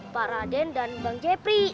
paraden dan bang jepri